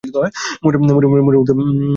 মুড়ের মতো একটু মাথা নাড়ে।